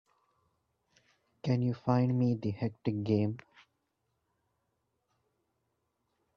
Can you find me the Hectic game?